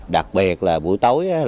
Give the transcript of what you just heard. đặc biệt là buổi tối